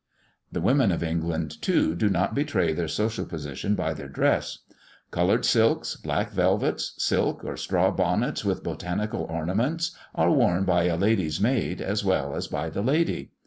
The women of England, too, do not betray their social position by their dress. Coloured silks, black velvets, silk or straw bonnets with botanical ornaments, are worn by a lady's maid, as well as by the lady.